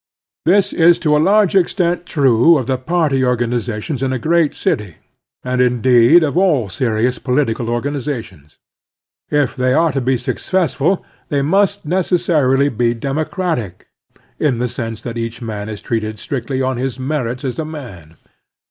This is to a large extent true of the party organ izations in a great city, and, indeed, of all serious political organizations. If they are to be success ful they must necessarily be democratic, in the sense that each man is treated strictly on his merits as a man.